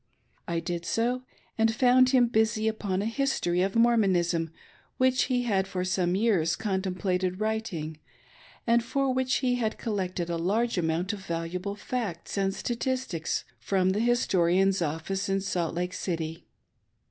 I did so, and found him busy upon a history of Mormonism which he had for Some years contemplated wiriting, and for which he had collected a large amount of valuable facts and statistics from the Historian's Office in Salt Lake City.